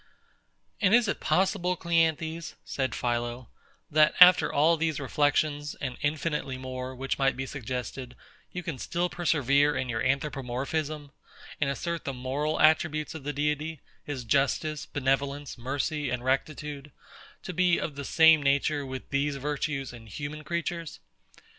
And is it possible, CLEANTHES, said PHILO, that after all these reflections, and infinitely more, which might be suggested, you can still persevere in your Anthropomorphism, and assert the moral attributes of the Deity, his justice, benevolence, mercy, and rectitude, to be of the same nature with these virtues in human creatures?